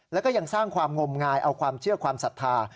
แล้วก็ยังสร้างความงมงายเอาความเชื่อความศรัทธา